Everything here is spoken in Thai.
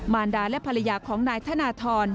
รดาและภรรยาของนายธนทร